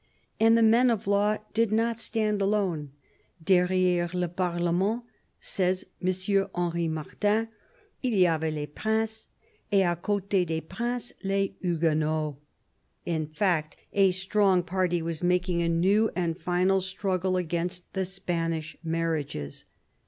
And the men of law did not stand alone. " Derriere le parlement," says M. Henri Martin, " il y avait les princes, et a c6te des princes, les huguenots." In fact, a strong party was making a new and final struggle against the Spanish marriages.